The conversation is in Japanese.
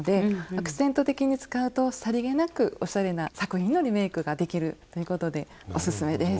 アクセント的に使うとさりげなくおしゃれな作品のリメイクができるということでおすすめです。